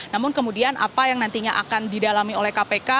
namun kemudian apa yang nantinya akan didalami oleh kpk